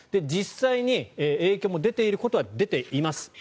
実際に影響も出ていることは出ています。